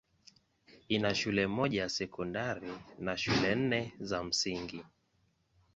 Ina shule moja ya sekondari na shule nne za msingi.